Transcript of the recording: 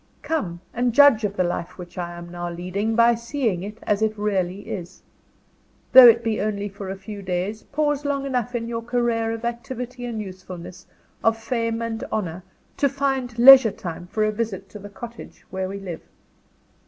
Come, and judge of the life I am now leading, by seeing it as it really is. Though it be only for a few days, pause long enough in your career of activity and usefulness, of fame and honour, to find leisure time for a visit to the cottage where we live.